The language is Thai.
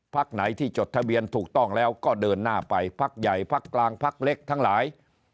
ไหนที่จดทะเบียนถูกต้องแล้วก็เดินหน้าไปพักใหญ่พักกลางพักเล็กทั้งหลาย